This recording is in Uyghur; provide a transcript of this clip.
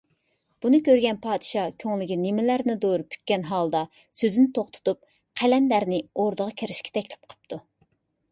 بۇنى كۆرگەن پادىشاھ كۆڭلىگە نېمىلەرنىدۇر پۈككەن ھالدا سۆزىنى توختىتىپ، قەلەندەرنى ئوردىغا كىرىشكە تەكلىپ قىپتۇ.